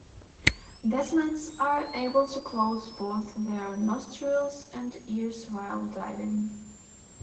Desmans are able to close both their nostrils and ears while diving.